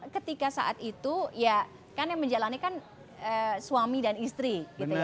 ketika saat itu ya kan yang menjalani kan suami dan istri gitu ya